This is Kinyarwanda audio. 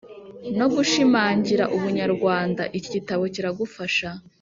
no gushimangira ubunyarwanda Iki gitabo kiragufasha